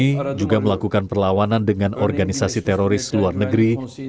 ini juga melakukan perlawanan dengan organisasi teroris luar negeri